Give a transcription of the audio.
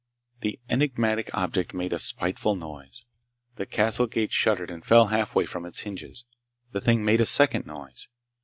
The enigmatic object made a spiteful noise. The castle gate shuddered and fell halfway from its hinges. The thing made a second noise.